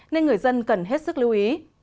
nên người dân cần hết sức lưu ý